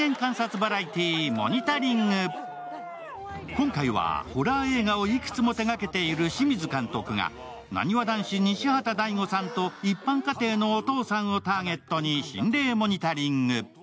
今回は、ホラー映画をいくつも手がけている清水監督がなにわ男子・西畑大吾さんと一般家庭のお父さんをターゲットに心霊モニタリング。